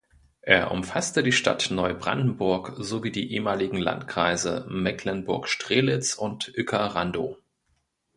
Er umfasste die Stadt Neubrandenburg sowie die ehemaligen Landkreise Mecklenburg-Strelitz und Uecker-Randow.